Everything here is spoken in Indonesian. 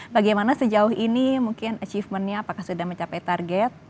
bagaimana sejauh ini mungkin achievementnya apakah sudah mencapai target